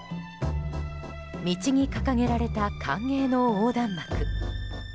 道に掲げられた歓迎の横断幕。